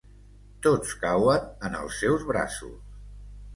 Tots cauen en els seus braços.